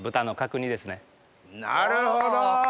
なるほど！